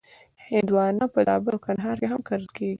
هندوانه په زابل او کندهار کې هم کرل کېږي.